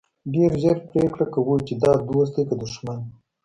ډېر ژر پرېکړه کوو چې دا دوست دی که دښمن.